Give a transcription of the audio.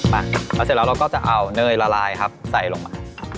มาพอเสร็จแล้วเราก็จะเอาเนยละลายครับใส่ลงมา